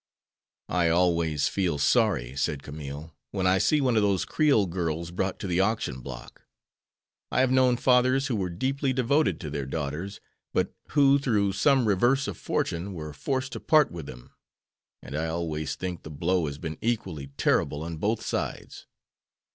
"I always feel sorry," said Camille, "when I see one of those Creole girls brought to the auction block. I have known fathers who were deeply devoted to their daughters, but who through some reverse of fortune were forced to part with them, and I always think the blow has been equally terrible on both sides.